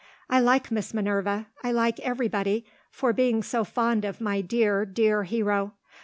I like Miss Minerva, I like everybody, for being so fond of my dear, dear hero.